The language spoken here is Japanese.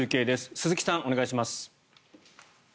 鈴木さん、お願いします。